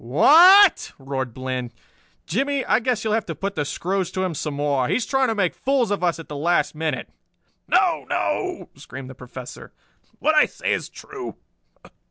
"Wh a a t?" roared Bland. "Jimmie, I guess you'll have to put the screws to him some more. He's trying to make fools of us at the last minute!" "No, no!" screamed the Professor. "What I say is true.